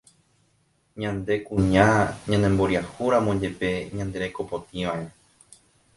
Ñande kuña ñanemboriahúramo jepe ñanderekopotĩva'erã